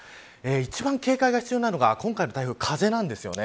一番警戒が必要なのは今回の台風、風なんです。